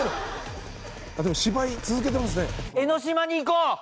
でも芝居続けてますね。